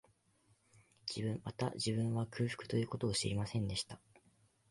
また、自分は、空腹という事を知りませんでした